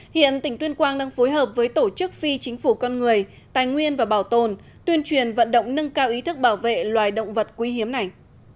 hiện tỉnh tuyên quang đang phối hợp với tổ chức phi chính phủ con người tài nguyên và bảo tồn tuyên truyền vận động nâng cao ý thức bảo vệ loài động vật quý hiếm này